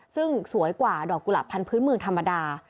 ซึ่งสวยกว่าดอกกุหลาบพันธุ์เมืองธรรมดา